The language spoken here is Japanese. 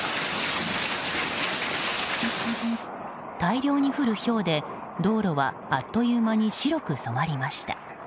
大量に降るひょうで道路はあっという間に白く染まりました。